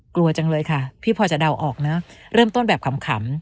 กลัวจังเลยค่ะพี่พอจะเดาออกเนอะเริ่มต้นแบบขำ